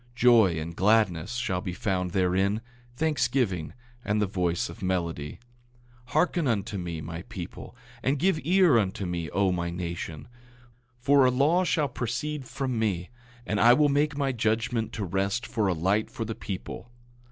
Joy and gladness shall be found therein, thanksgiving and the voice of melody. 8:4 Hearken unto me, my people; and give ear unto me, O my nation; for a law shall proceed from me, and I will make my judgment to rest for a light for the people.